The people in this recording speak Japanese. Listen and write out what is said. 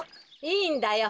いいんだよ。